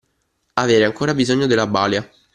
Avere ancora bisogno della balia.